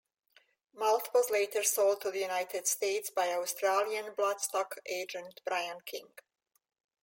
Malt was later sold to the United States by Australian Bloodstock agent Brian King.